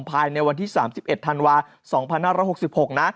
ภายในวันที่๓๑ธันวา๒๕๖๖นะ